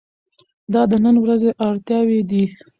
دا د نن ورځې اړتیاوې دي.